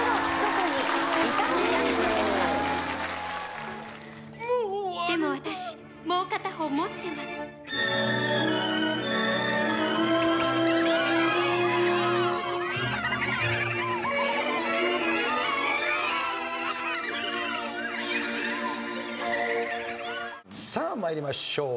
「でも私もう片方持ってます」さあ参りましょう。